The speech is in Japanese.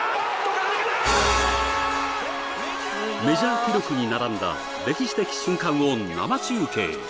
メジャー記録に並んだ歴史的瞬間を生中継